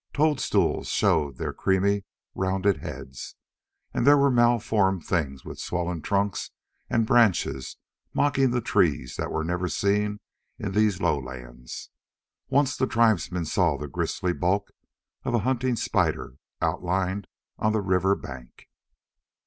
Toadstools showed their creamy, rounded heads, and there were malformed things with swollen trunks and branches mocking the trees that were never seen in these lowlands. Once the tribesmen saw the grisly bulk of a hunting spider outlined on the river bank.